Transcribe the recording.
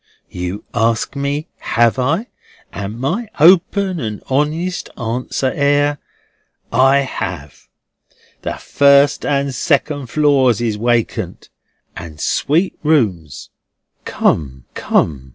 You ask me have I, and my open and my honest answer air, I have. The first and second floors is wacant, and sweet rooms." "Come, come!